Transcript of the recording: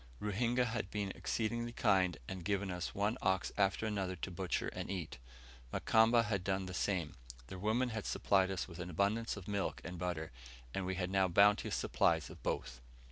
Ruhinga had been exceedingly kind, and given us one ox after another to butcher and eat. Mukamba had done the same. Their women had supplied us with an abundance of milk and butter, and we had now bounteous supplies of both.